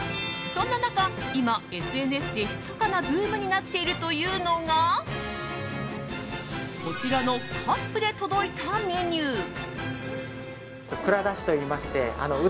そんな中、今、ＳＮＳでひそかなブームになっているというのがこちらのカップで届いたメニュー。